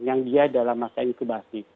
yang dia dalam masa inkubasi